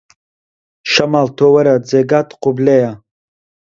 شەماڵ تۆ وەرە جێگات قوبلەیە